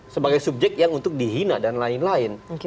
sebagai subjek yang untuk dihina dan lain lain